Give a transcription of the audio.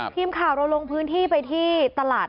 ทีมข่าวเราลงพื้นที่ไปที่ตลาด